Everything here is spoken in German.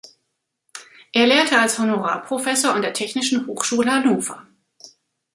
Er lehrte als Honorarprofessor an der Technischen Hochschule Hannover.